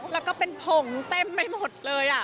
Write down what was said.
แล้วก็เป็นผงเต็มไปหมดเลย